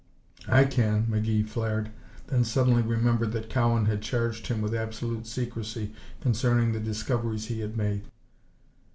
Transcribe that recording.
"I can!" McGee flared, then suddenly remembered that Cowan had charged him with absolute secrecy concerning the discoveries he had made.